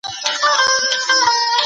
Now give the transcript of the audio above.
کار کول ټولنه ابادوي.